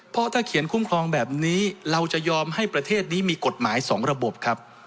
เพราะถ้าเขียนคุ้มครองแบบนี้เราจะยอมให้ประเทศนี้มีกฎหมาย๒ระบบครับ